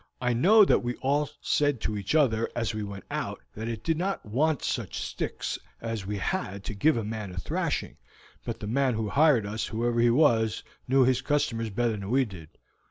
I know that we all said to each other as we went out that it did not want such sticks as we had to give a man a thrashing, but the man who hired us, whoever he was, knew his customers better than we did."